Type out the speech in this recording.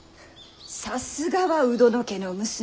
さすがは鵜殿家の娘。